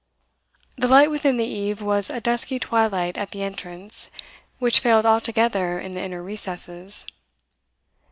The light within the eave was a dusky twilight at the entrance, which failed altogether in the inner recesses.